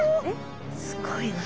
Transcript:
すごいな。